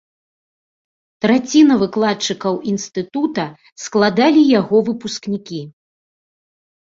Траціна выкладчыкаў інстытута складалі яго выпускнікі.